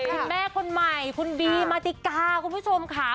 คุณแม่คนใหม่คุณบีมาติกาคุณผู้ชมค่ะ